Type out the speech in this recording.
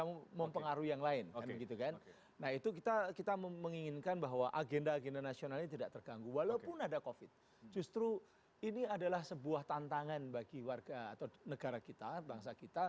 mendukung hanya gara gara orang